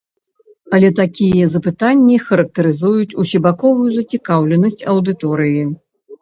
Але такія запытанні характарызуюць усебаковую зацікаўленасць аўдыторыі.